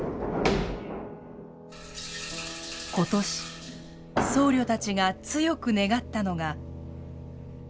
今年僧侶たちが強く願ったのが。